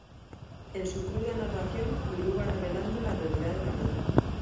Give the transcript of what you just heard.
En su cruda narración Lulú va revelando la realidad de la guerra.